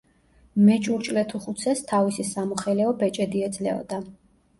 მეჭურჭლეთუხუცესს თავისი სამოხელეო ბეჭედი ეძლეოდა.